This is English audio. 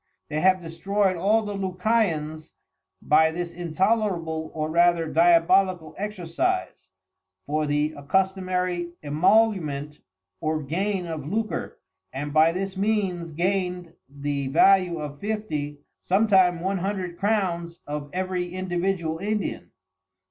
They have destroy'd all the Lucayans by this intolerable or rather Diabolical exercise, for the accustomary emolument or gain of lucre, and by this means gain'd the value of fifty, sometime one hundred Crowns of every individual Indian.